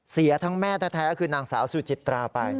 เสียทั้งแม่แท้คือนางสาวสุจิตราไป